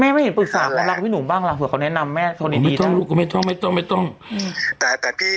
แม่ไม่เห็นปรึกษาคนรักพี่หนุ่มบ้างหรือเขาแนะนำแม่คนดี